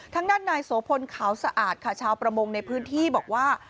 ทางด้านนายโสพลขาวสะอาดค่ะชาวประมงในพื้นที่บอกว่า